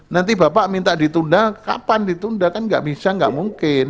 nanti bapak minta ditunda kapan ditunda kan nggak bisa nggak mungkin